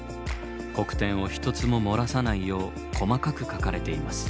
黒点を一つも漏らさないよう細かく描かれています。